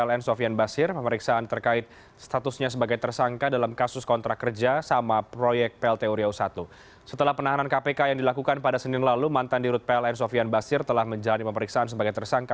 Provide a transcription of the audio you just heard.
jangan lupa like share dan subscribe ya